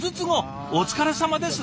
お疲れさまです。